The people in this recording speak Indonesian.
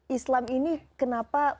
islam ini kenapa